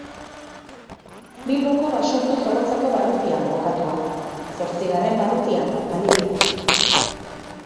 Bilboko Basurtu-Zorrotzako barrutian kokatua, zortzigarren barrutian alegia.